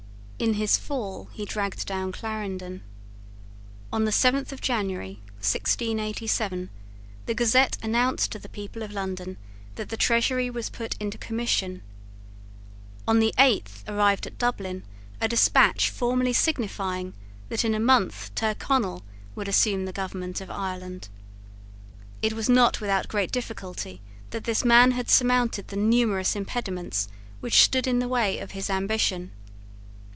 In his fall he dragged down Clarendon. On the seventh of January 1687, the Gazette announced to the people of London that the Treasury was put into commission. On the eighth arrived at Dublin a despatch formally signifying that in a month Tyrconnel would assume the government of Ireland. It was not without great difficulty that this man had surmounted the numerous impediments which stood in the way of his ambition.